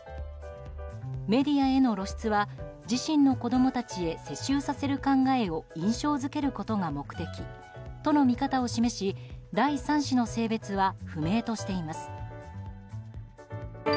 メディアへの露出は自身の子供たちへ世襲させる考えを印象付けることが目的との見方を示し第３子の性別は不明としています。